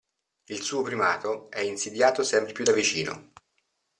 Il suo primato è insidiato sempre più da vicino.